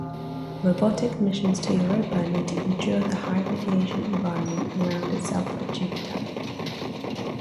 Robotic missions to Europa need to endure the high-radiation environment around itself and Jupiter.